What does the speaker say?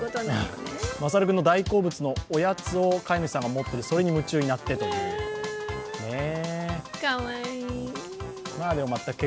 まさる君の大好物のおやつを飼い主さんが持ってる、それに夢中になってということです。